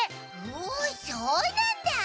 おそうなんだ！